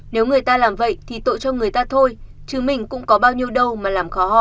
nếu người ta làm vậy thì tội cho người ta thôi chứ mình cũng có bao nhiêu đâu mà làm khó hò